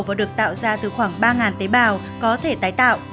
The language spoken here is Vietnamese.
và được tạo ra từ khoảng ba tế bào có thể tái tạo